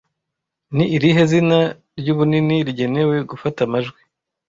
Ni irihe zina ry'ubunini rigenewe gufata amajwi